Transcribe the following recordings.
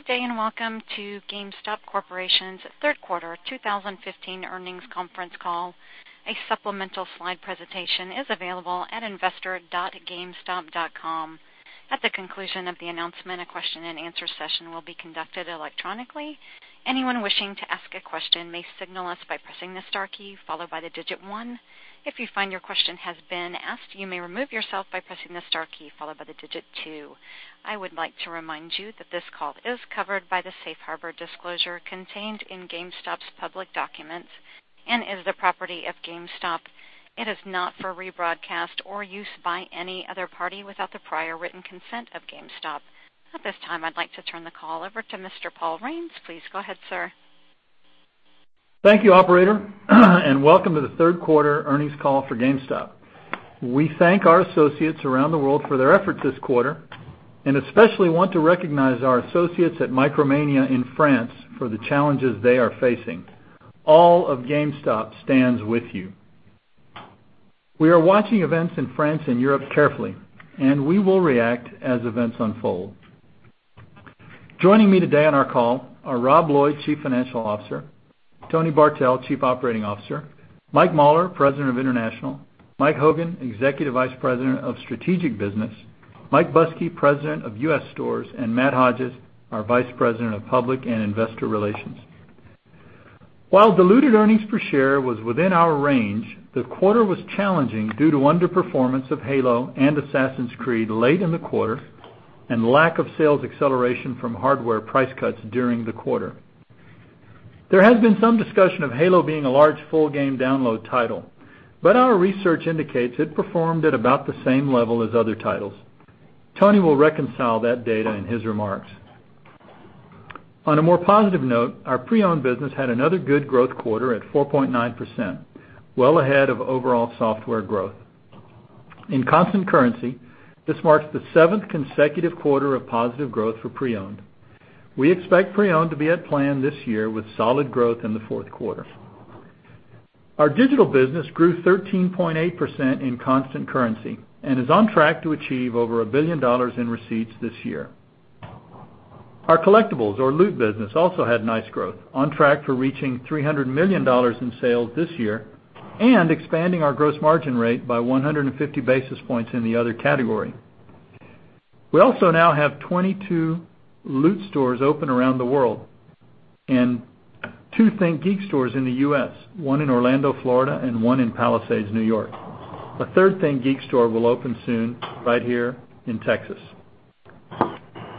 Good day. Welcome to GameStop Corporation's third quarter 2015 earnings conference call. A supplemental slide presentation is available at investor.gamestop.com. At the conclusion of the announcement, a question and answer session will be conducted electronically. Anyone wishing to ask a question may signal us by pressing the star key, followed by the digit one. If you find your question has been asked, you may remove yourself by pressing the star key followed by the digit two. I would like to remind you that this call is covered by the Safe Harbor disclosure contained in GameStop's public documents and is the property of GameStop. It is not for rebroadcast or use by any other party without the prior written consent of GameStop. At this time, I'd like to turn the call over to Mr. Paul Raines. Please go ahead, sir. Thank you, operator. Welcome to the third quarter earnings call for GameStop. We thank our associates around the world for their efforts this quarter, especially want to recognize our associates at Micromania in France for the challenges they are facing. All of GameStop stands with you. We are watching events in France and Europe carefully. We will react as events unfold. Joining me today on our call are Rob Lloyd, Chief Financial Officer, Tony Bartel, Chief Operating Officer, Mike Mauler, President of International, Mik Hogan, Executive Vice President of Strategic Business, Mike Buskey, President of U.S. Stores, and Matt Hodges, our Vice President of Public and Investor Relations. While diluted earnings per share was within our range, the quarter was challenging due to underperformance of Halo and Assassin's Creed late in the quarter and lack of sales acceleration from hardware price cuts during the quarter. There has been some discussion of Halo being a large full game download title. Our research indicates it performed at about the same level as other titles. Tony will reconcile that data in his remarks. On a more positive note, our pre-owned business had another good growth quarter at 4.9%, well ahead of overall software growth. In constant currency, this marks the seventh consecutive quarter of positive growth for pre-owned. We expect pre-owned to be as planned this year with solid growth in the fourth quarter. Our digital business grew 13.8% in constant currency and is on track to achieve over $1 billion in receipts this year. Our collectibles or Loot business also had nice growth, on track for reaching $300 million in sales this year and expanding our gross margin rate by 150 basis points in the other category. We also now have 22 Loot stores open around the world and two ThinkGeek stores in the U.S., one in Orlando, Florida and one in Palisades, New York. A third ThinkGeek store will open soon right here in Texas.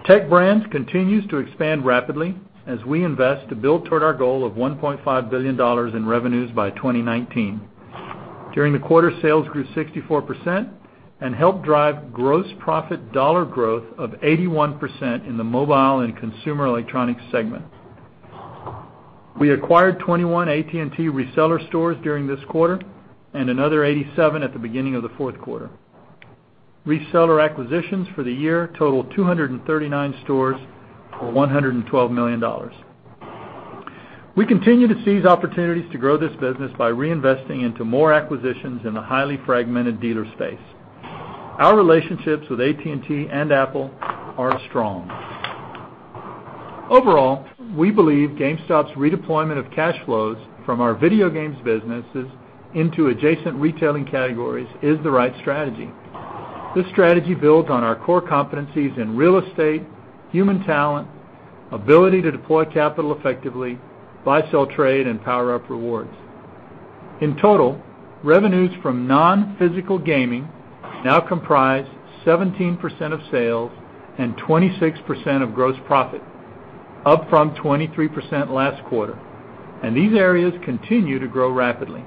Tech Brands continues to expand rapidly as we invest to build toward our goal of $1.5 billion in revenues by 2019. During the quarter, sales grew 64% and helped drive gross profit dollar growth of 81% in the mobile and consumer electronics segment. We acquired 21 AT&T reseller stores during this quarter. Another 87 at the beginning of the fourth quarter. Reseller acquisitions for the year totaled 239 stores for $112 million. We continue to seize opportunities to grow this business by reinvesting into more acquisitions in the highly fragmented dealer space. Our relationships with AT&T and Apple are strong. Overall, we believe GameStop's redeployment of cash flows from our Video Games businesses into adjacent retailing categories is the right strategy. This strategy builds on our core competencies in real estate, human talent, ability to deploy capital effectively, buy, sell, trade, and PowerUp Rewards. In total, revenues from non-physical gaming now comprise 17% of sales and 26% of gross profit, up from 23% last quarter, and these areas continue to grow rapidly.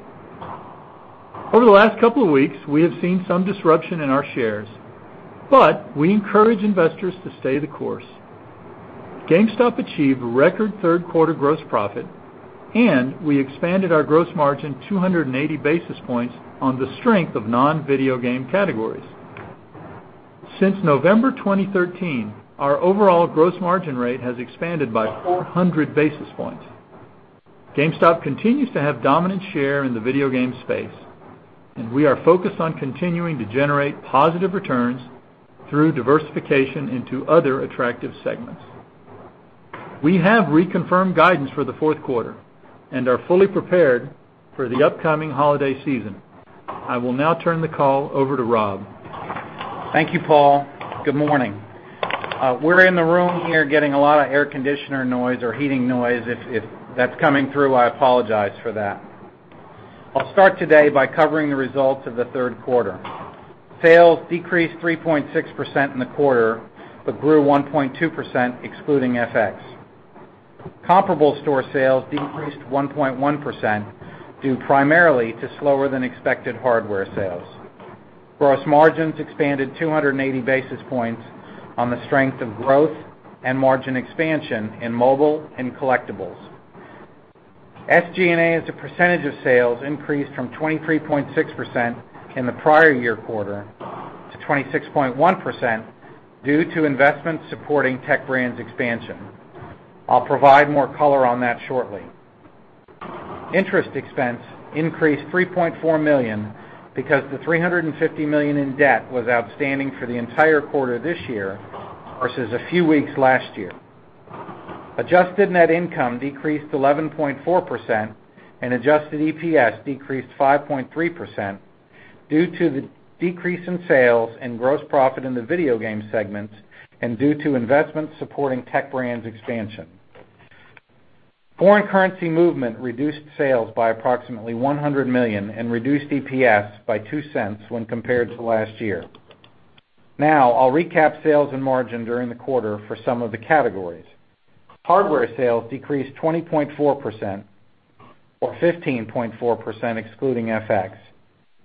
Over the last couple of weeks, we have seen some disruption in our shares, but we encourage investors to stay the course. GameStop achieved record third quarter gross profit, and we expanded our gross margin 280 basis points on the strength of non-video game categories. Since November 2013, our overall gross margin rate has expanded by 400 basis points. GameStop continues to have dominant share in the video game space, and we are focused on continuing to generate positive returns through diversification into other attractive segments. We have reconfirmed guidance for the fourth quarter and are fully prepared for the upcoming holiday season. I will now turn the call over to Rob. Thank you, Paul. Good morning. We're in the room here getting a lot of air conditioner noise or heating noise. If that's coming through, I apologize for that. I'll start today by covering the results of the third quarter. Sales decreased 3.6% in the quarter but grew 1.2% excluding FX. Comparable store sales decreased 1.1% due primarily to slower-than-expected hardware sales. Gross margins expanded 280 basis points on the strength of growth and margin expansion in mobile and collectibles. SG&A, as a percentage of sales, increased from 23.6% in the prior year quarter to 26.1% due to investments supporting Tech Brands expansion. I'll provide more color on that shortly. Interest expense increased $3.4 million because the $350 million in debt was outstanding for the entire quarter this year versus a few weeks last year. Adjusted net income decreased 11.4% and adjusted EPS decreased 5.3% due to the decrease in sales and gross profit in the Video Game segments and due to investments supporting Tech Brands expansion. Foreign currency movement reduced sales by approximately $100 million and reduced EPS by $0.02 when compared to last year. Now, I'll recap sales and margin during the quarter for some of the categories. Hardware sales decreased 20.4%, or 15.4% excluding FX,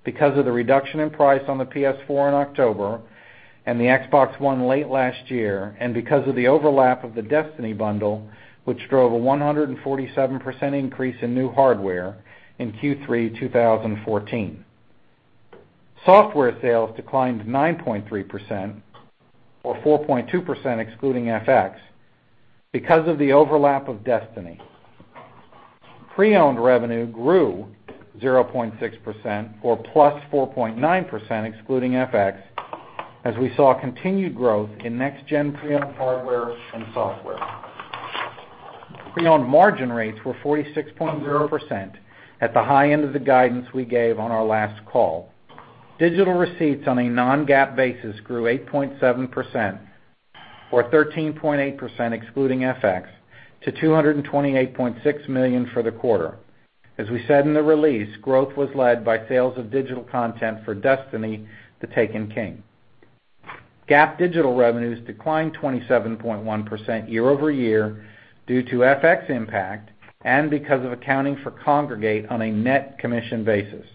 because of the reduction in price on the PS4 in October and the Xbox One late last year, and because of the overlap of the Destiny bundle, which drove a 147% increase in new hardware in Q3 2014. Software sales declined 9.3%, or 4.2% excluding FX, because of the overlap of Destiny. Pre-owned revenue grew 0.6%, or plus 4.9% excluding FX, as we saw continued growth in next-gen pre-owned hardware and software. Pre-owned margin rates were 46.0% at the high end of the guidance we gave on our last call. Digital receipts on a non-GAAP basis grew 8.7%, or 13.8% excluding FX, to $228.6 million for the quarter. As we said in the release, growth was led by sales of digital content for Destiny: The Taken King. GAAP digital revenues declined 27.1% year-over-year due to FX impact and because of accounting for Kongregate on a net commission basis.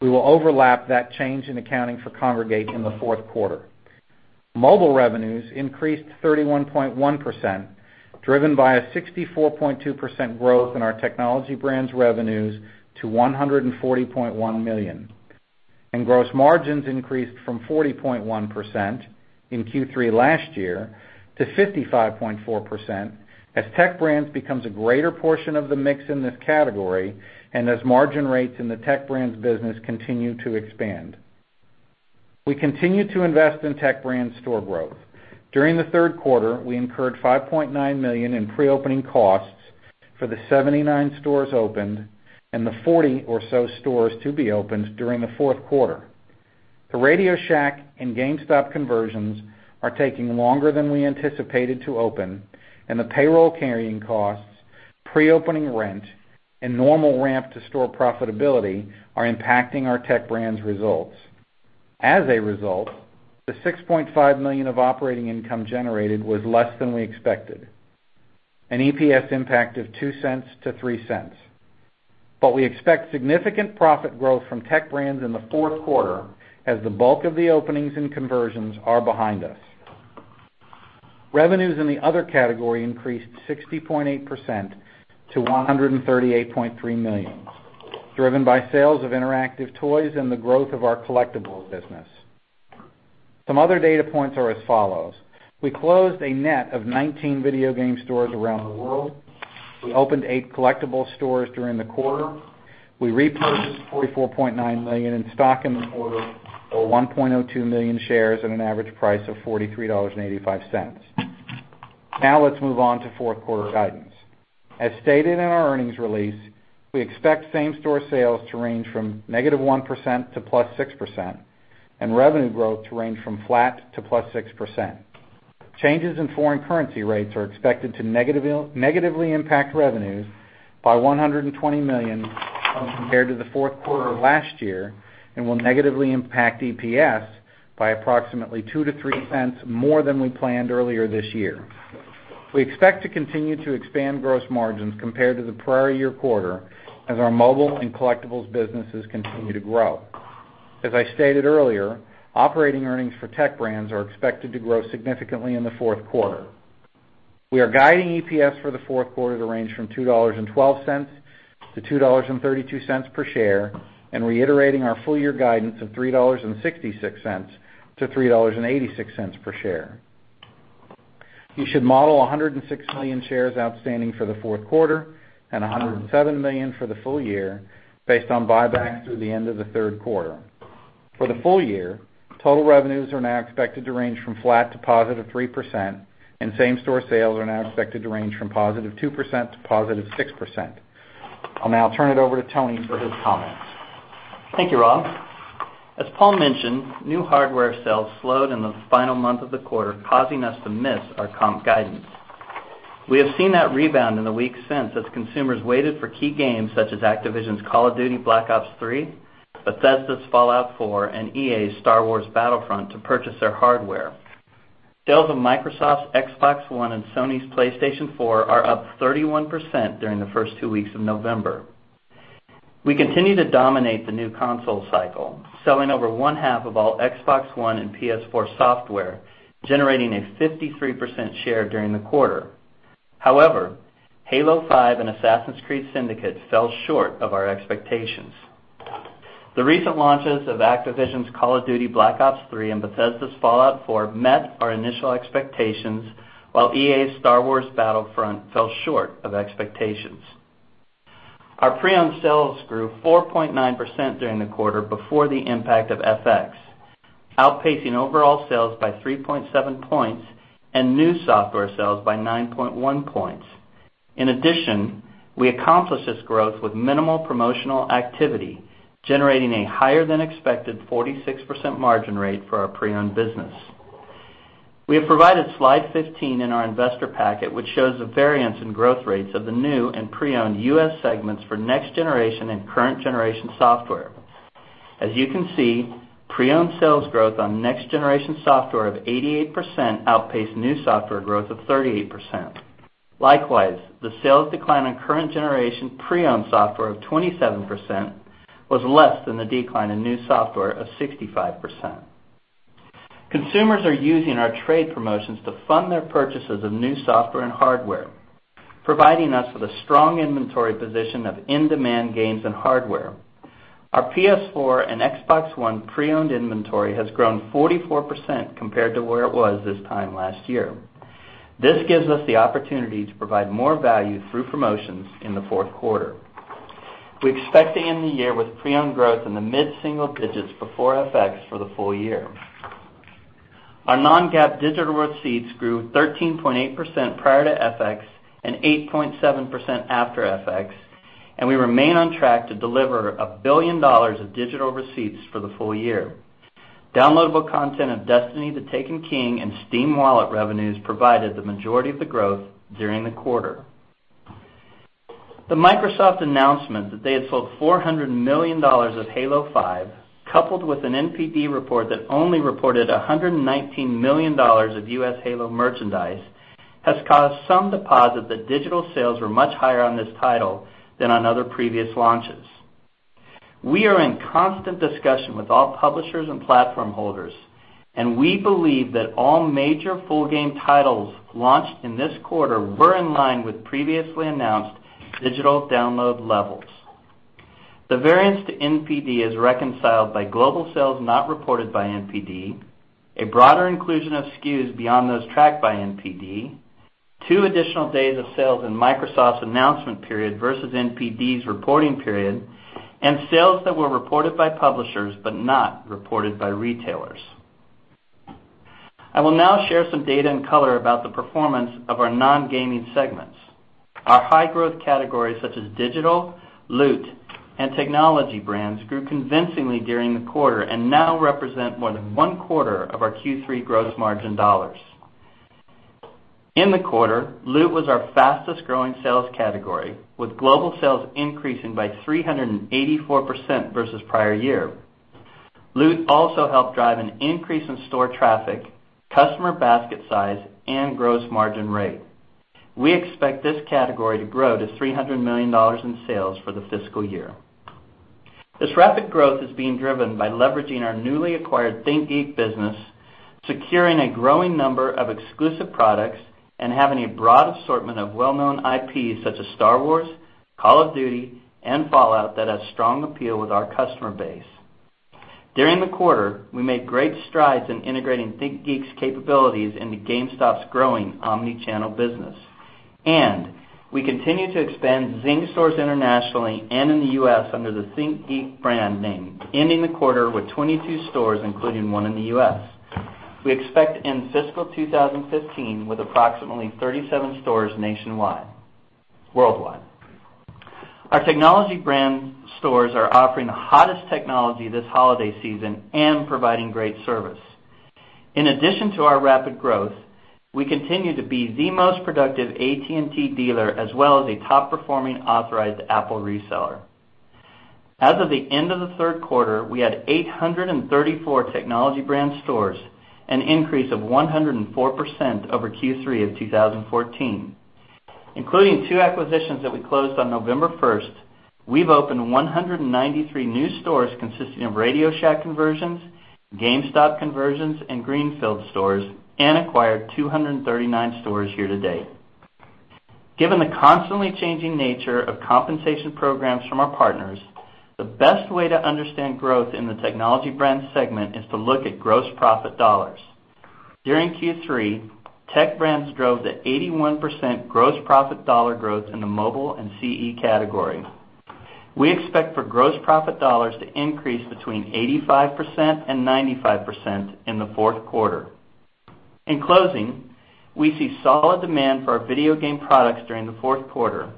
We will overlap that change in accounting for Kongregate in the fourth quarter. Mobile revenues increased 31.1%, driven by a 64.2% growth in our Tech Brands revenues to $140.1 million. Gross margins increased from 40.1% in Q3 last year to 55.4% as Tech Brands becomes a greater portion of the mix in this category and as margin rates in the Tech Brands business continue to expand. We continue to invest in Tech Brands store growth. During the third quarter, we incurred $5.9 million in pre-opening costs for the 79 stores opened and the 40 or so stores to be opened during the fourth quarter. The RadioShack and GameStop conversions are taking longer than we anticipated to open, and the payroll carrying costs, pre-opening rent, and normal ramp to store profitability are impacting our Tech Brands results. As a result, the $6.5 million of operating income generated was less than we expected, an EPS impact of $0.02-$0.03. We expect significant profit growth from Tech Brands in the fourth quarter as the bulk of the openings and conversions are behind us. Revenues in the other category increased 60.8% to $138.3 million, driven by sales of interactive toys and the growth of our collectibles business. Some other data points are as follows. We closed a net of 19 video game stores around the world. We opened 8 collectible stores during the quarter. We repurchased $44.9 million in stock in the quarter or 1.02 million shares at an average price of $43.85. Let's move on to fourth quarter guidance. As stated in our earnings release, we expect same-store sales to range from -1% to +6% and revenue growth to range from flat to +6%. Changes in foreign currency rates are expected to negatively impact revenues by $120 million when compared to the fourth quarter of last year and will negatively impact EPS by approximately $0.02-$0.03 more than we planned earlier this year. We expect to continue to expand gross margins compared to the prior year quarter as our mobile and collectibles businesses continue to grow. As I stated earlier, operating earnings for Tech Brands are expected to grow significantly in the fourth quarter. We are guiding EPS for the fourth quarter to range from $2.12-$2.32 per share and reiterating our full year guidance of $3.66-$3.86 per share. You should model 106 million shares outstanding for the fourth quarter and 107 million for the full year based on buybacks through the end of the third quarter. For the full year, total revenues are now expected to range from flat to +3%, and same-store sales are now expected to range from +2% to +6%. I'll now turn it over to Tony for his comments. Thank you, Rob. As Paul mentioned, new hardware sales slowed in the final month of the quarter, causing us to miss our comp guidance. We have seen that rebound in the weeks since, as consumers waited for key games such as Activision's Call of Duty: Black Ops III, Bethesda's Fallout 4, and EA's Star Wars Battlefront to purchase their hardware. Sales of Microsoft's Xbox One and Sony's PlayStation 4 are up 31% during the first two weeks of November. We continue to dominate the new console cycle, selling over one half of all Xbox One and PS4 software, generating a 53% share during the quarter. However, Halo 5 and Assassin's Creed Syndicate fell short of our expectations. The recent launches of Activision's Call of Duty: Black Ops III and Bethesda's Fallout 4 met our initial expectations, while EA's Star Wars Battlefront fell short of expectations. Our pre-owned sales grew 4.9% during the quarter before the impact of FX, outpacing overall sales by 3.7 points and new software sales by 9.1 points. In addition, we accomplished this growth with minimal promotional activity, generating a higher-than-expected 46% margin rate for our pre-owned business. We have provided Slide 15 in our investor packet, which shows the variance in growth rates of the new and pre-owned U.S. segments for next-generation and current-generation software. As you can see, pre-owned sales growth on next-generation software of 88% outpaced new software growth of 38%. Likewise, the sales decline in current-generation pre-owned software of 27% was less than the decline in new software of 65%. Consumers are using our trade promotions to fund their purchases of new software and hardware, providing us with a strong inventory position of in-demand games and hardware. Our PS4 and Xbox One pre-owned inventory has grown 44% compared to where it was this time last year. This gives us the opportunity to provide more value through promotions in the fourth quarter. We expect to end the year with pre-owned growth in the mid-single digits before FX for the full year. Our non-GAAP digital receipts grew 13.8% prior to FX and 8.7% after FX, and we remain on track to deliver $1 billion of digital receipts for the full year. Downloadable content of Destiny: The Taken King and Steam Wallet revenues provided the majority of the growth during the quarter. The Microsoft announcement that they had sold $400 million of Halo 5, coupled with an NPD report that only reported $119 million of U.S. Halo merchandise, has caused some to posit that digital sales were much higher on this title than on other previous launches. We are in constant discussion with all publishers and platform holders, we believe that all major full game titles launched in this quarter were in line with previously announced digital download levels. The variance to NPD is reconciled by global sales not reported by NPD, a broader inclusion of SKUs beyond those tracked by NPD, two additional days of sales in Microsoft's announcement period versus NPD's reporting period, and sales that were reported by publishers but not reported by retailers. I will now share some data and color about the performance of our non-gaming segments. Our high-growth categories such as digital, Loot, and Tech Brands grew convincingly during the quarter and now represent more than one-quarter of our Q3 gross margin dollars. In the quarter, Loot was our fastest-growing sales category, with global sales increasing by 384% versus the prior year. Loot also helped drive an increase in store traffic, customer basket size, and gross margin rate. We expect this category to grow to $300 million in sales for the fiscal year. This rapid growth is being driven by leveraging our newly acquired ThinkGeek business, securing a growing number of exclusive products, and having a broad assortment of well-known IPs such as "Star Wars," "Call of Duty," and "Fallout" that have strong appeal with our customer base. During the quarter, we made great strides in integrating ThinkGeek's capabilities into GameStop's growing omni-channel business, and we continue to expand Zing stores internationally and in the U.S. under the ThinkGeek brand name, ending the quarter with 22 stores, including one in the U.S. We expect to end fiscal 2015 with approximately 37 stores worldwide. Our Technology Brands stores are offering the hottest technology this holiday season and providing great service. In addition to our rapid growth, we continue to be the most productive AT&T dealer, as well as a top-performing authorized Apple reseller. As of the end of the third quarter, we had 834 Technology Brands stores, an increase of 104% over Q3 of 2014. Including two acquisitions that we closed on November 1st, we've opened 193 new stores consisting of RadioShack conversions, GameStop conversions, and greenfield stores, and acquired 239 stores year to date. Given the constantly changing nature of compensation programs from our partners, the best way to understand growth in the Technology Brands segment is to look at gross profit dollars. During Q3, Tech Brands drove the 81% gross profit dollar growth in the mobile and CE categories. We expect for gross profit dollars to increase between 85% and 95% in the fourth quarter. In closing, we see solid demand for our video game products during the fourth quarter.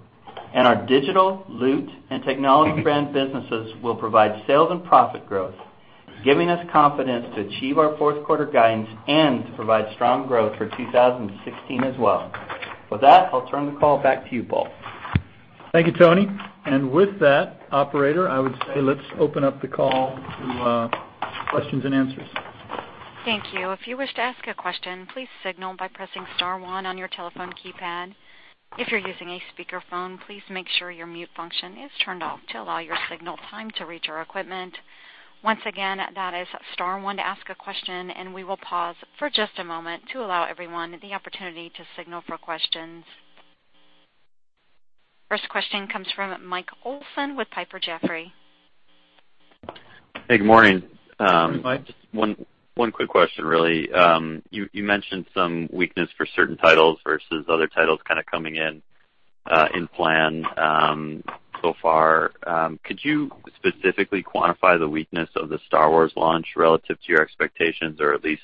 Our digital, Loot, and Technology Brands businesses will provide sales and profit growth, giving us confidence to achieve our fourth-quarter guidance and to provide strong growth for 2016 as well. With that, I'll turn the call back to you, Paul. Thank you, Tony. With that, operator, I would say let's open up the call to questions and answers. Thank you. If you wish to ask a question, please signal by pressing star one on your telephone keypad. If you're using a speakerphone, please make sure your mute function is turned off to allow your signal time to reach our equipment. Once again, that is star one to ask a question. We will pause for just a moment to allow everyone the opportunity to signal for questions. First question comes from Mike Olson with Piper Jaffray. Hey, good morning. Good morning, Mike. Just one quick question, really. You mentioned some weakness for certain titles versus other titles kind of coming in plan so far. Could you specifically quantify the weakness of the Star Wars launch relative to your expectations? At least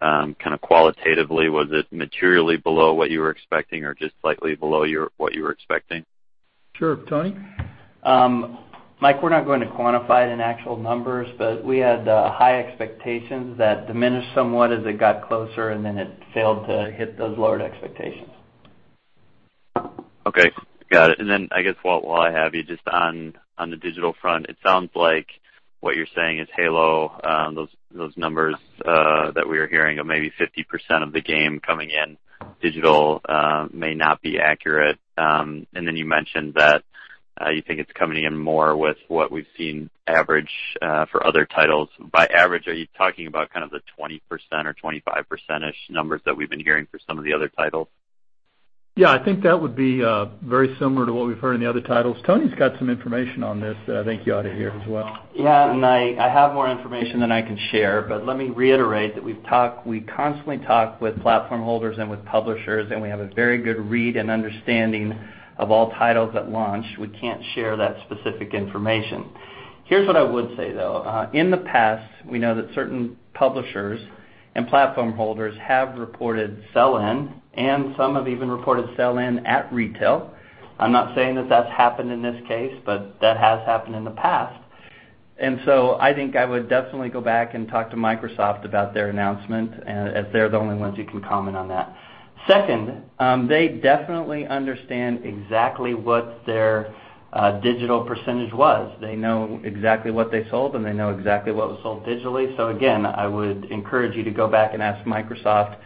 kind of qualitatively, was it materially below what you were expecting or just slightly below what you were expecting? Sure. Tony? Mike, we're not going to quantify it in actual numbers, but we had high expectations that diminished somewhat as it got closer, and then it failed to hit those lowered expectations. Okay. Got it. Then, I guess, while I have you, just on the digital front, it sounds like what you're saying is Halo, those numbers that we were hearing of maybe 50% of the game coming in digital may not be accurate. Then you mentioned that you think it's coming in more with what we've seen average for other titles. By average, are you talking about kind of the 20% or 25%-ish numbers that we've been hearing for some of the other titles? Yeah, I think that would be very similar to what we've heard in the other titles. Tony's got some information on this that I think you ought to hear as well. Yeah, I have more information than I can share, but let me reiterate that we constantly talk with platform holders and with publishers, and we have a very good read and understanding of all titles at launch. We can't share that specific information. Here's what I would say, though. In the past, we know that certain publishers and platform holders have reported sell-in, and some have even reported sell-in at retail. I'm not saying that that's happened in this case, but that has happened in the past. I think I would definitely go back and talk to Microsoft about their announcement, as they're the only ones who can comment on that. Second, they definitely understand exactly what their digital percentage was. They know exactly what they sold, and they know exactly what was sold digitally. Again, I would encourage you to go back and ask Microsoft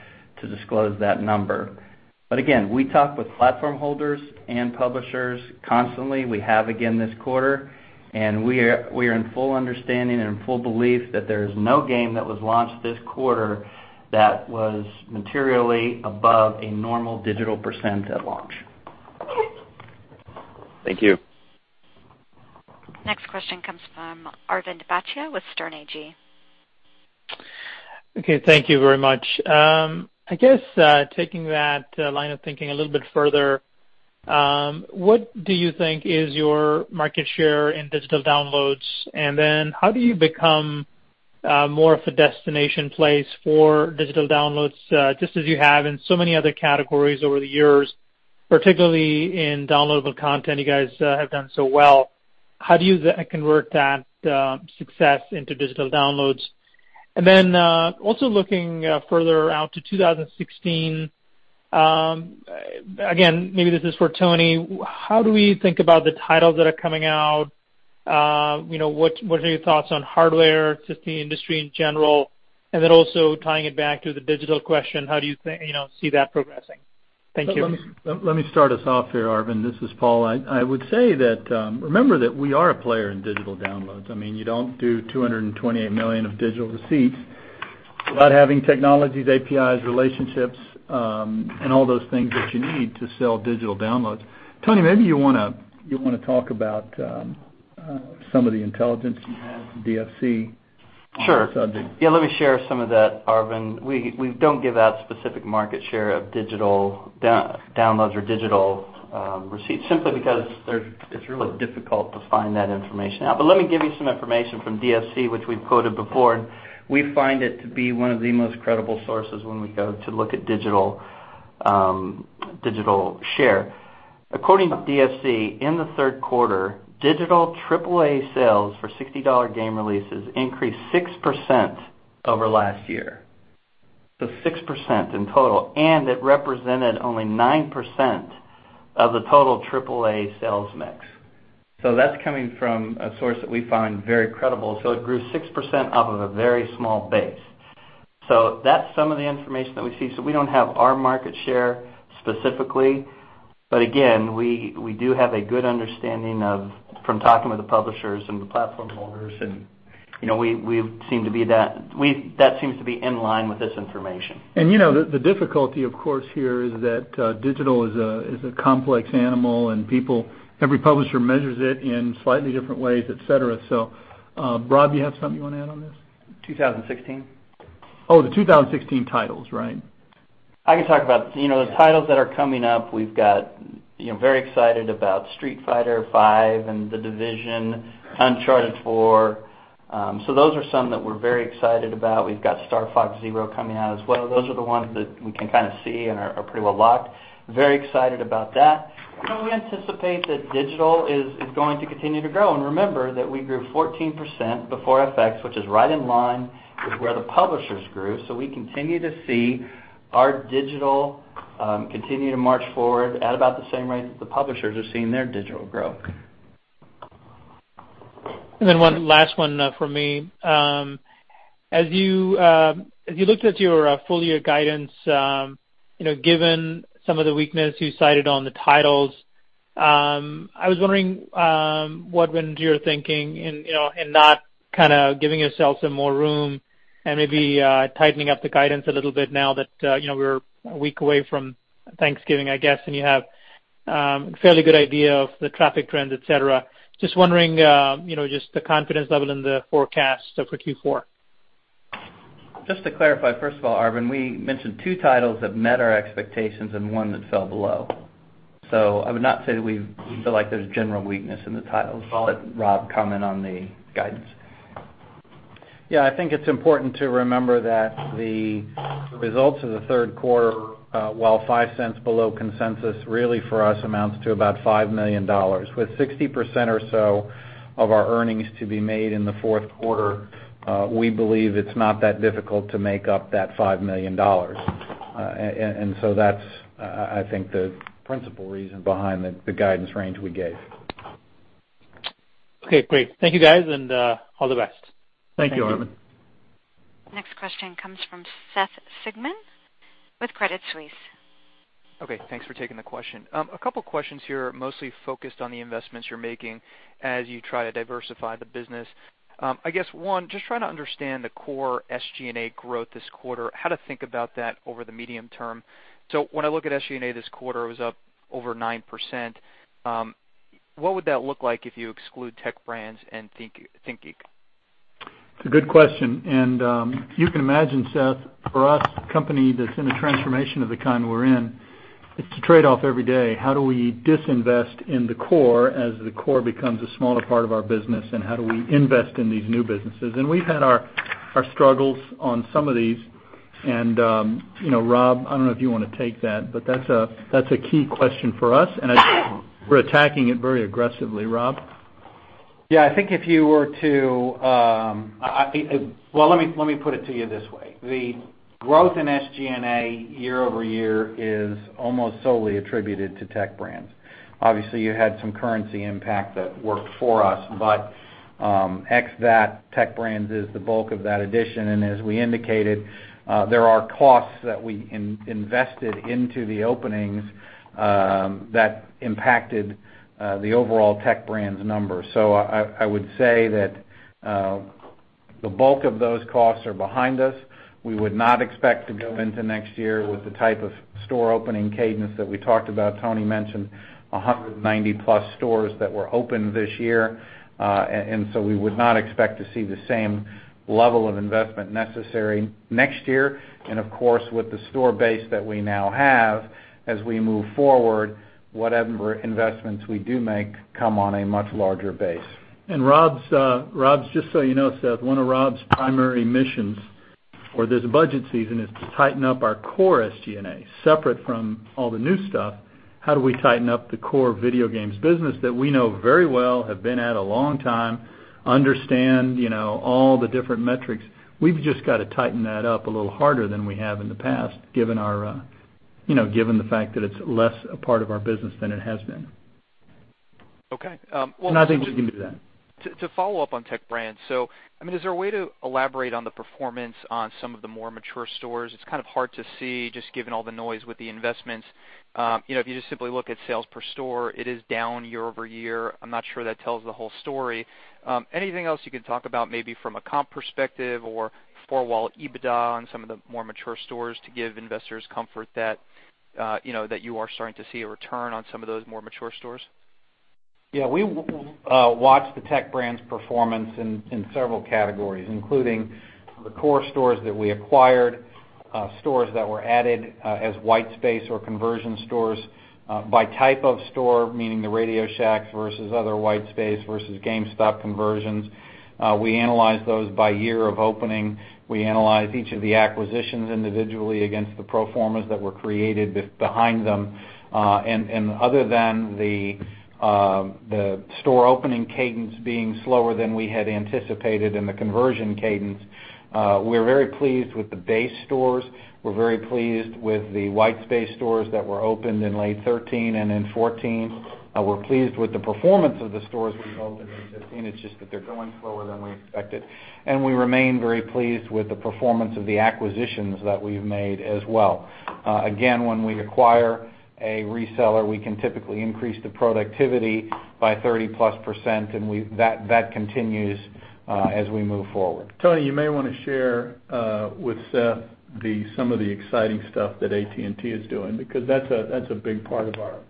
to disclose that number. Again, we talk with platform holders and publishers constantly. We have again this quarter, and we are in full understanding and in full belief that there is no game that was launched this quarter that was materially above a normal digital % at launch. Thank you. Next question comes from Arvind Bhatia with Sterne Agee. Okay, thank you very much. I guess, taking that line of thinking a little bit further, what do you think is your market share in digital downloads? How do you become more of a destination place for digital downloads, just as you have in so many other categories over the years, particularly in downloadable content, you guys have done so well. How do you convert that success into digital downloads? Also looking further out to 2016, again, maybe this is for Tony, how do we think about the titles that are coming out? What are your thoughts on hardware to the industry in general? Also tying it back to the digital question, how do you see that progressing? Thank you. Let me start us off here, Arvind. This is Paul. I would say that, remember that we are a player in digital downloads. You don't do $228 million of digital receipts without having technologies, APIs, relationships, and all those things that you need to sell digital downloads. Tony, maybe you want to talk about some of the intelligence you have from DFC. Sure. on this subject. Yeah, let me share some of that, Arvind. We don't give out specific market share of digital downloads or digital receipts, simply because it's really difficult to find that information out. Let me give you some information from DFC, which we've quoted before, and we find it to be one of the most credible sources when we go to look at digital share. According to DFC, in the third quarter, digital AAA sales for $60 game releases increased 6% over last year. 6% in total, and it represented only 9% of the total AAA sales mix. That's coming from a source that we find very credible. It grew 6% off of a very small base. That's some of the information that we see. We don't have our market share specifically, but again, we do have a good understanding from talking with the publishers and the platform holders, and that seems to be in line with this information. The difficulty, of course, here is that digital is a complex animal, and every publisher measures it in slightly different ways, et cetera. Rob, you have something you want to add on this? 2016. The 2016 titles, right. I can talk about this. The titles that are coming up, we've got very excited about Street Fighter V and The Division, Uncharted 4. Those are some that we're very excited about. We've got Star Fox Zero coming out as well. Those are the ones that we can kind of see and are pretty well locked. Very excited about that. We anticipate that digital is going to continue to grow, and remember that we grew 14% before FX, which is right in line with where the publishers grew. We continue to see our digital continue to march forward at about the same rate that the publishers are seeing their digital grow. One last one from me. As you looked at your full-year guidance, given some of the weakness you cited on the titles, I was wondering what went into your thinking in not giving yourself some more room and maybe tightening up the guidance a little bit now that we're a week away from Thanksgiving, I guess, and you have a fairly good idea of the traffic trends, et cetera. Just wondering, the confidence level in the forecast for Q4. Just to clarify, first of all, Arvind, we mentioned two titles that met our expectations and one that fell below. I would not say that we feel like there's general weakness in the titles. I'll let Rob comment on the guidance. I think it's important to remember that the results of the third quarter, while $0.05 below consensus, really for us amounts to about $5 million. With 60% or so of our earnings to be made in the fourth quarter, we believe it's not that difficult to make up that $5 million. That's, I think, the principal reason behind the guidance range we gave. Okay, great. Thank you, guys, and all the best. Thank you, Arvind. Thank you. Next question comes from Seth Sigman with Credit Suisse. Okay, thanks for taking the question. A couple questions here, mostly focused on the investments you're making as you try to diversify the business. I guess one, just trying to understand the core SG&A growth this quarter, how to think about that over the medium term. When I look at SG&A this quarter, it was up over 9%. What would that look like if you exclude Tech Brands and ThinkGeek? It's a good question, you can imagine, Seth, for us, a company that's in a transformation of the kind we're in, it's a trade-off every day. How do we disinvest in the core as the core becomes a smaller part of our business, and how do we invest in these new businesses? We've had our struggles on some of these and Rob, I don't know if you want to take that, but that's a key question for us, and we're attacking it very aggressively. Rob? Well, let me put it to you this way. The growth in SG&A year-over-year is almost solely attributed to Tech Brands. Ex that, Tech Brands is the bulk of that addition, as we indicated, there are costs that we invested into the openings that impacted the overall Tech Brands number. I would say that the bulk of those costs are behind us. We would not expect to go into next year with the type of store opening cadence that we talked about. Tony mentioned 190 plus stores that were opened this year. We would not expect to see the same level of investment necessary next year. Of course, with the store base that we now have as we move forward, whatever investments we do make come on a much larger base. Rob, just so you know, Seth, one of Rob's primary missions for this budget season is to tighten up our core SG&A, separate from all the new stuff. How do we tighten up the core Video Games business that we know very well, have been at a long time, understand all the different metrics? We've just got to tighten that up a little harder than we have in the past, given the fact that it's less a part of our business than it has been. Okay. I think we can do that. To follow up on Tech Brands, is there a way to elaborate on the performance on some of the more mature stores? It's kind of hard to see, just given all the noise with the investments. If you just simply look at sales per store, it is down year-over-year. I'm not sure that tells the whole story. Anything else you can talk about maybe from a comp perspective or overall EBITDA on some of the more mature stores to give investors comfort that you are starting to see a return on some of those more mature stores? Yeah, we watch the Tech Brands performance in several categories, including the core stores that we acquired, stores that were added as white space or conversion stores by type of store, meaning the RadioShack versus other white space versus GameStop conversions. We analyze those by year of opening. We analyze each of the acquisitions individually against the pro formas that were created behind them. Other than the store opening cadence being slower than we had anticipated and the conversion cadence, we're very pleased with the base stores. We're very pleased with the white space stores that were opened in late 2013 and in 2014. We're pleased with the performance of the stores we've opened in 2015, it's just that they're going slower than we expected. We remain very pleased with the performance of the acquisitions that we've made as well. When we acquire a reseller, we can typically increase the productivity by 30%+, that continues as we move forward. Tony, you may want to share with Seth some of the exciting stuff that AT&T is doing, because that's a big part of our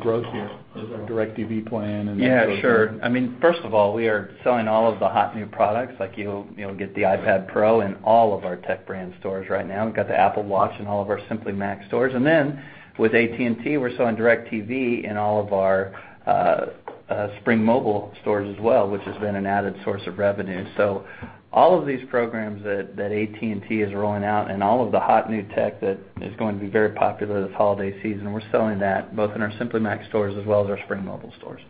growth here, is our DirecTV plan. Yeah, sure. First of all, we are selling all of the hot new products. Like you'll get the iPad Pro in all of our Tech Brands stores right now. We've got the Apple Watch in all of our Simply Mac stores. With AT&T, we're selling DirecTV in all of our Spring Mobile stores as well, which has been an added source of revenue. All of these programs that AT&T is rolling out and all of the hot new tech that is going to be very popular this holiday season, we're selling that both in our Simply Mac stores as well as our Spring Mobile stores.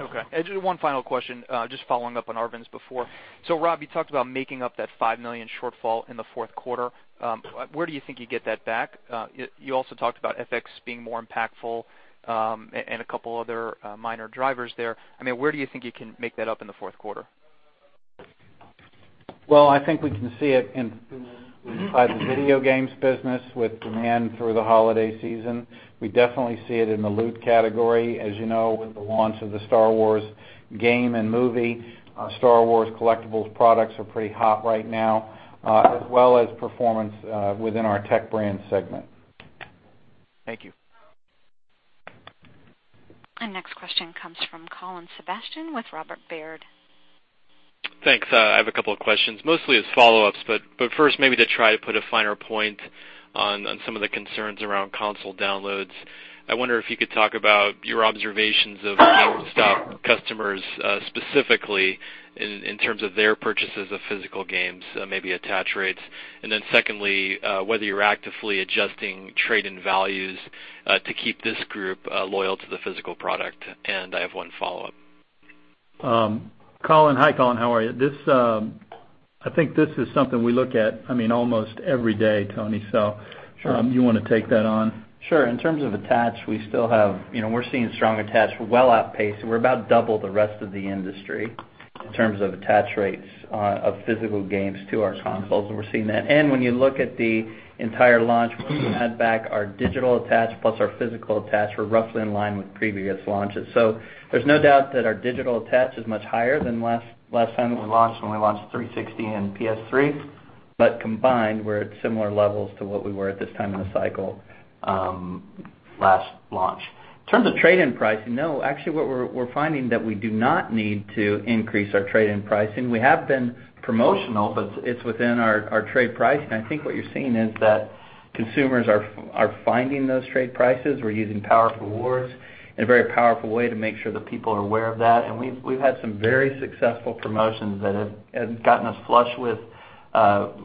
Okay. Just one final question, just following up on Arvind's before. Rob, you talked about making up that $5 million shortfall in the fourth quarter. Where do you think you get that back? You also talked about FX being more impactful and a couple other minor drivers there. Where do you think you can make that up in the fourth quarter? Well, I think we can see it inside the Video Games business with demand through the holiday season. We definitely see it in the Loot category, as you know, with the launch of the Star Wars game and movie. Star Wars collectibles products are pretty hot right now, as well as performance within our Tech Brands segment. Thank you. Our next question comes from Colin Sebastian with Robert Baird. Thanks. I have a couple of questions, mostly as follow-ups, but first, maybe to try to put a finer point on some of the concerns around console downloads. I wonder if you could talk about your observations of GameStop customers, specifically in terms of their purchases of physical games, maybe attach rates. Secondly, whether you're actively adjusting trade-in values to keep this group loyal to the physical product. I have one follow-up. Colin. Hi, Colin. How are you? I think this is something we look at almost every day, Tony, do you want to take that on? Sure. In terms of attach, we're seeing strong attach. We're well outpaced, and we're about double the rest of the industry in terms of attach rates of physical games to our consoles, and we're seeing that. When you look at the entire launch, when you add back our digital attach plus our physical attach, we're roughly in line with previous launches. There's no doubt that our digital attach is much higher than last time that we launched, when we launched 360 and PS3. Combined, we're at similar levels to what we were at this time in the cycle last launch. In terms of trade-in pricing, no, actually, what we're finding that we do not need to increase our trade-in pricing. We have been promotional, but it's within our trade pricing. I think what you're seeing is that consumers are finding those trade prices. We're using PowerUp Rewards in a very powerful way to make sure that people are aware of that. We've had some very successful promotions that have gotten us flush with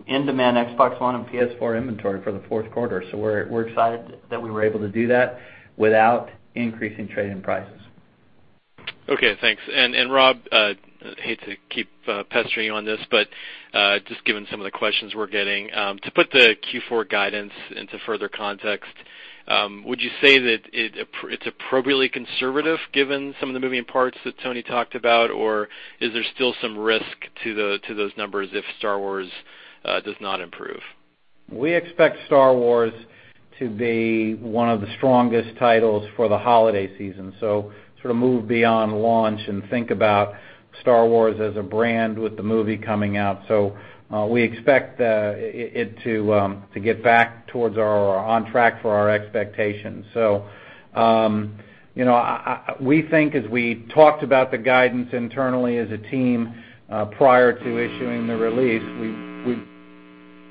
in-demand Xbox One and PS4 inventory for the fourth quarter. We're excited that we were able to do that without increasing trade-in prices. Okay, thanks. Rob, I hate to keep pestering you on this, but just given some of the questions we're getting, to put the Q4 guidance into further context, would you say that it's appropriately conservative given some of the moving parts that Tony talked about, or is there still some risk to those numbers if Star Wars does not improve? We expect Star Wars to be one of the strongest titles for the holiday season. Sort of move beyond launch and think about Star Wars as a brand with the movie coming out. We expect it to get back towards or on track for our expectations. We think as we talked about the guidance internally as a team prior to issuing the release,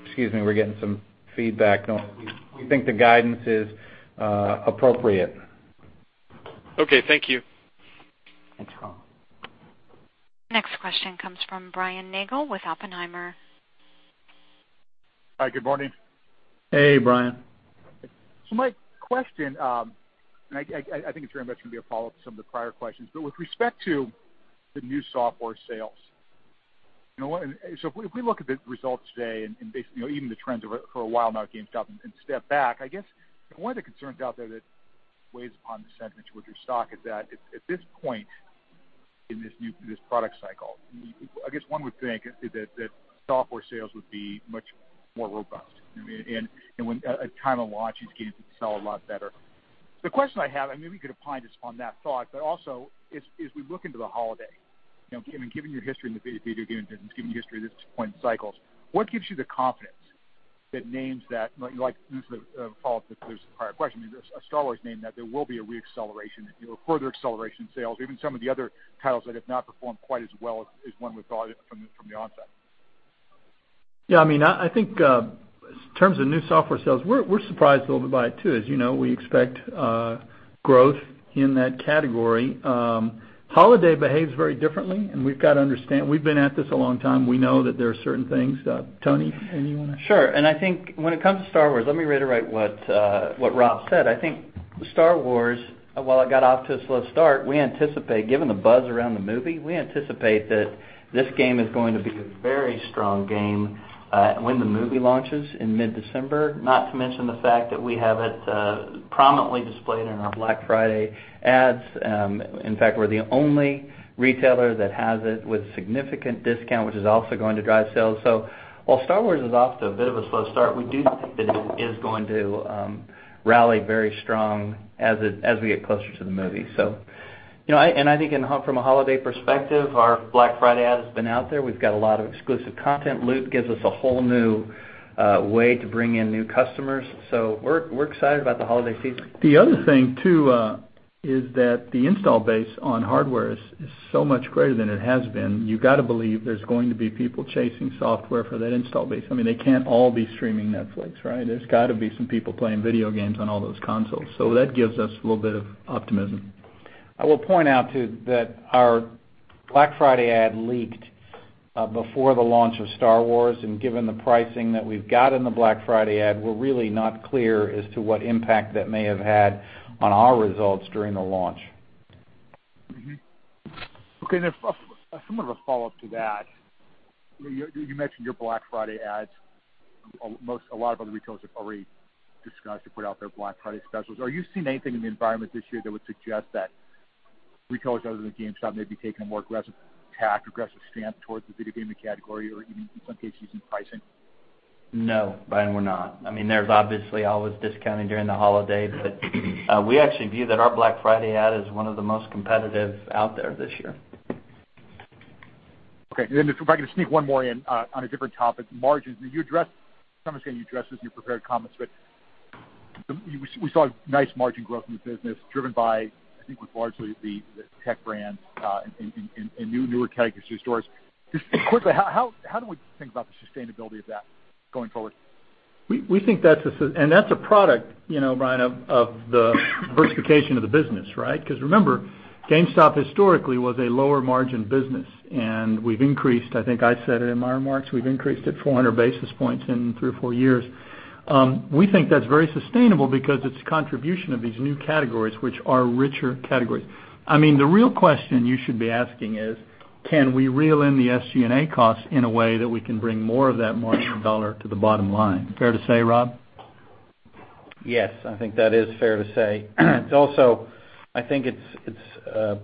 Excuse me, we're getting some feedback. We think the guidance is appropriate. Okay, thank you. Thanks, Colin. Next question comes from Brian Nagel with Oppenheimer. Hi, good morning. Hey, Brian. My question, and I think it's very much going to be a follow-up to some of the prior questions, but with respect to the new software sales, if we look at the results today and even the trends for a while now at GameStop and step back, I guess one of the concerns out there that weighs upon the sentiment with your stock is that at this point in this product cycle, I guess one would think that software sales would be much more robust. At time of launch, these games would sell a lot better. The question I have, and maybe you could apply this on that thought, but also as we look into the holiday, and given your history in the Video Game business, given your history at this point in cycles, what gives you the confidence that names that, like This is a follow-up to the previous, prior question. A Star Wars name, that there will be a re-acceleration, a further acceleration in sales, even some of the other titles that have not performed quite as well as one would thought from the onset. Yeah, I think in terms of new software sales, we're surprised a little bit by it too. As you know, we expect growth in that category. Holiday behaves very differently. We've got to understand. We've been at this a long time. We know that there are certain things. Tony, you want to- Sure. I think when it comes to Star Wars, let me reiterate what Rob said. I think Star Wars, while it got off to a slow start, we anticipate, given the buzz around the movie, we anticipate that this game is going to be a very strong game when the movie launches in mid-December. Not to mention the fact that we have it prominently displayed in our Black Friday ads. In fact, we're the only retailer that has it with a significant discount, which is also going to drive sales. While Star Wars is off to a bit of a slow start, we do think that it is going to rally very strong as we get closer to the movie. I think from a holiday perspective, our Black Friday ad has been out there. We've got a lot of exclusive content. Loot gives us a whole new way to bring in new customers. We're excited about the holiday season. The other thing, too, is that the install base on hardware is so much greater than it has been. You got to believe there's going to be people chasing software for that install base. They can't all be streaming Netflix, right? There's got to be some people playing video games on all those consoles. That gives us a little bit of optimism. I will point out, too, that our Black Friday ad leaked before the launch of Star Wars. Given the pricing that we've got in the Black Friday ad, we're really not clear as to what impact that may have had on our results during the launch. Mm-hmm. Okay, somewhat of a follow-up to that. You mentioned your Black Friday ads. A lot of other retailers have already discussed or put out their Black Friday specials. Are you seeing anything in the environment this year that would suggest that retailers other than GameStop maybe taking a more aggressive tack, aggressive stance towards the video gaming category, or even in some cases, in pricing? No, Brian, we're not. There's obviously always discounting during the holiday. We actually view that our Black Friday ad is one of the most competitive out there this year. Okay. If I could just sneak one more in on a different topic. Margins. To some extent, you addressed this in your prepared comments. We saw nice margin growth in the business, driven by, I think it was largely the Tech Brands and newer categories to the stores. Just quickly, how do we think about the sustainability of that going forward? We think that's a product, Brian, of the diversification of the business, right? Remember, GameStop historically was a lower margin business. We've increased, I think I said it in my remarks, we've increased it 400 basis points in three or four years. We think that's very sustainable because it's a contribution of these new categories, which are richer categories. The real question you should be asking is, can we reel in the SG&A costs in a way that we can bring more of that margin dollar to the bottom line? Fair to say, Rob? Yes, I think that is fair to say. It's also, I think, it's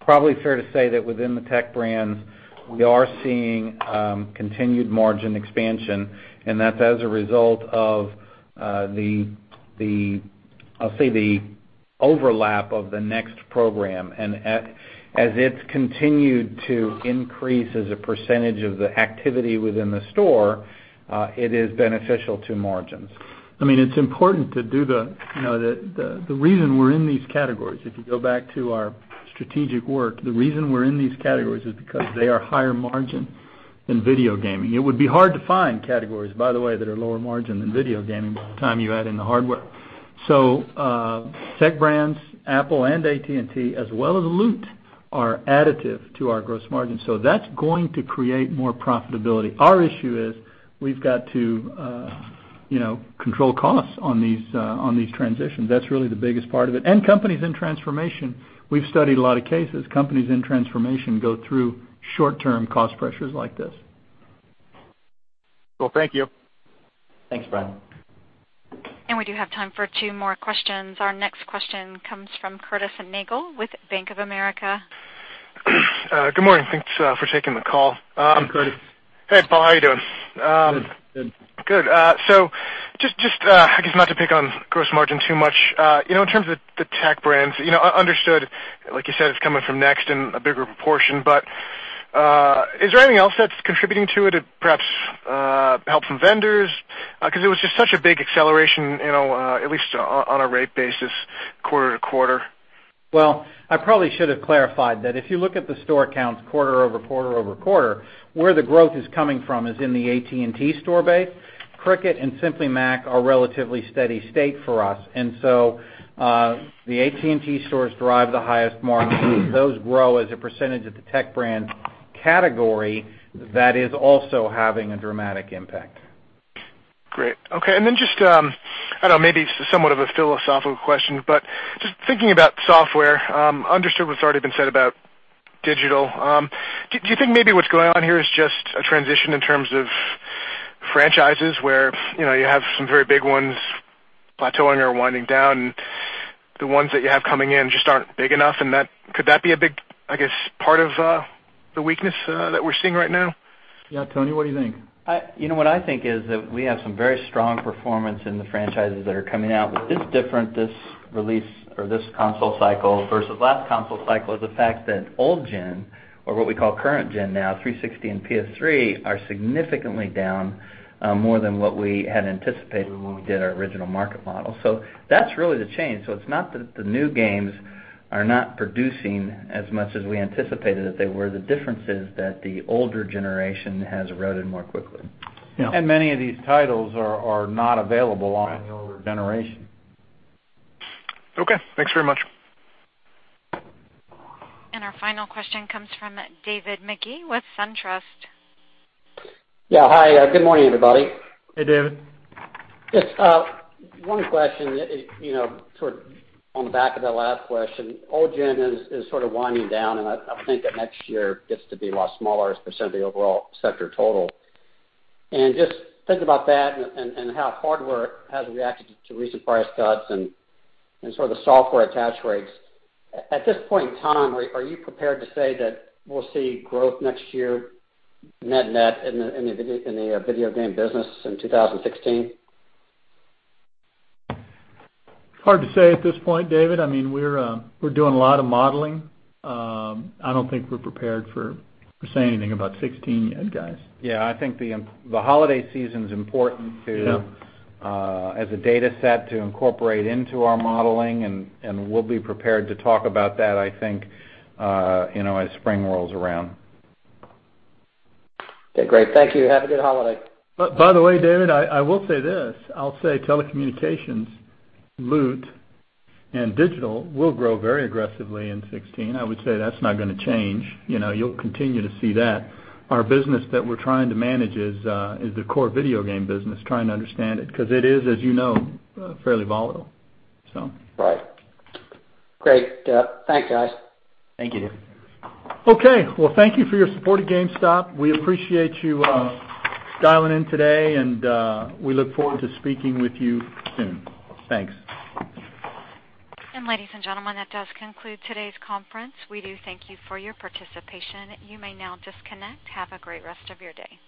probably fair to say that within the Tech Brands, we are seeing continued margin expansion. That's as a result of the, I'll say, the overlap of the NEXT program. As it's continued to increase as a percentage of the activity within the store, it is beneficial to margins. It's important to do The reason we're in these categories, if you go back to our strategic work, the reason we're in these categories is because they are higher margin than video gaming. It would be hard to find categories, by the way, that are lower margin than video gaming by the time you add in the hardware. Tech Brands, Apple, and AT&T, as well as Loot, are additive to our gross margin. That's going to create more profitability. Our issue is we've got to control costs on these transitions. That's really the biggest part of it. Companies in transformation, we've studied a lot of cases. Companies in transformation go through short-term cost pressures like this. Well, thank you. Thanks, Brian. We do have time for two more questions. Our next question comes from Curtis Nagle with Bank of America. Good morning. Thanks for taking the call. Hi, Curtis. Hey, Paul. How are you doing? Good. Just, I guess not to pick on gross margin too much. In terms of the Tech Brands, understood, like you said, it's coming from NEXT in a bigger proportion, but is there anything else that's contributing to it? Perhaps help from vendors? It was just such a big acceleration, at least on a rate basis, quarter-over-quarter. I probably should have clarified that if you look at the store counts quarter-over-quarter-over-quarter, where the growth is coming from is in the AT&T store base. Cricket and Simply Mac are relatively steady state for us. The AT&T stores drive the highest margin. Those grow as a percentage of the Tech Brands category that is also having a dramatic impact. Great. Okay. Just, I don't know, maybe somewhat of a philosophical question, but just thinking about software, understood what's already been said about digital. Do you think maybe what's going on here is just a transition in terms of franchises where you have some very big ones plateauing or winding down. The ones that you have coming in just aren't big enough, and could that be a big, I guess, part of the weakness that we're seeing right now? Yeah. Tony, what do you think? What I think is that we have some very strong performance in the franchises that are coming out. What is different this release or this console cycle versus last console cycle is the fact that old gen, or what we call current gen now, 360 and PS3, are significantly down more than what we had anticipated when we did our original market model. That's really the change. It's not that the new games are not producing as much as we anticipated that they were. The difference is that the older generation has eroded more quickly. Yeah. Many of these titles are not available on the older generation. Okay, thanks very much. Our final question comes from David Magee with SunTrust. Yeah. Hi, good morning, everybody. Hey, David. Just one question, sort of on the back of that last question. Old gen is sort of winding down, and I think that next year gets to be a lot smaller as a % of the overall sector total. Just thinking about that and how hardware has reacted to recent price cuts and sort of the software attach rates, at this point in time, are you prepared to say that we'll see growth next year net net in the Video Game business in 2016? It's hard to say at this point, David. We're doing a lot of modeling. I don't think we're prepared for saying anything about 2016 yet, guys. Yeah, I think the holiday season's important. Yeah as a data set to incorporate into our modeling, and we'll be prepared to talk about that, I think, as spring rolls around. Okay, great. Thank you. Have a good holiday. By the way, David, I will say this. I'll say telecommunications, Loot, and digital will grow very aggressively in 2016. I would say that's not going to change. You'll continue to see that. Our business that we're trying to manage is the core Video Game business, trying to understand it, because it is, as you know, fairly volatile. Right. Great. Thanks, guys. Thank you. Okay. Well, thank you for your support of GameStop. We appreciate you dialing in today, and we look forward to speaking with you soon. Thanks. Ladies and gentlemen, that does conclude today's conference. We do thank you for your participation. You may now disconnect. Have a great rest of your day.